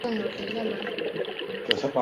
驼石鳖属为石鳖目石鳖科下的一个属。